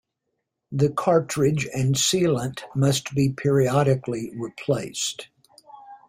The cartridge and sealant must be periodically replaced.